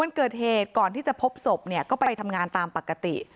วันเกิดเหตุก่อนที่จะพบศพเนี่ยก็ไปทำงานตามปกติ